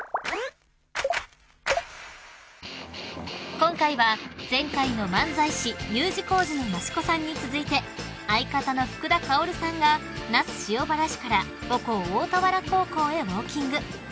［今回は前回の漫才師Ｕ字工事の益子さんに続いて相方の福田薫さんが那須塩原市から母校大田原高校へウオーキング］